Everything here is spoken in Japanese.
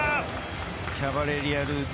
キャバレリアル。